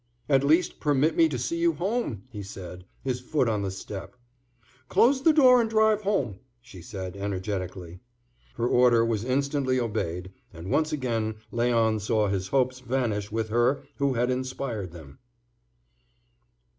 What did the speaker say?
"At least permit me to see you home," he said, his foot on the step. "Close the door, and drive home," she said energetically. Her order was instantly obeyed, and once again Léon saw his hopes vanish with her who had inspired them.